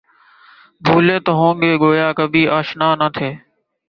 بُھولے تو یوں کہ گویا کبھی آشنا نہ تھے